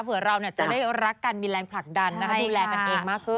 เผื่อเราจะได้รักกันมีแรงผลักดันดูแลกันเองมากขึ้น